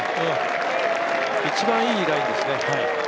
一番いいラインですね。